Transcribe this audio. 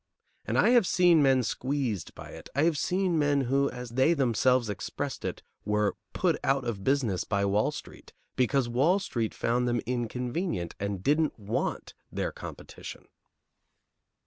And I have seen men squeezed by it; I have seen men who, as they themselves expressed it, were put "out of business by Wall Street," because Wall Street found them inconvenient and didn't want their competition.